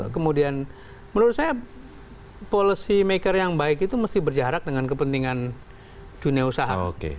kemudian menurut saya policy maker yang baik itu mesti berjarak dengan kepentingan dunia usaha